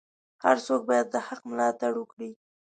هر څوک باید د حق ملاتړ وکړي.